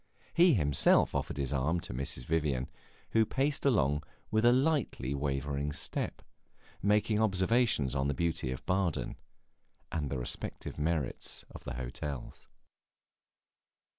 He himself offered his arm to Mrs. Vivian, who paced along with a little lightly wavering step, making observations upon the beauties of Baden and the respective merits of the hotels.